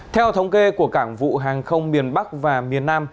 theo thống kê của cảng vụ hàng không miền bắc và miền nam